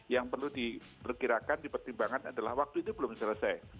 yang perlu diperkirakan dipertimbangkan adalah waktu itu belum selesai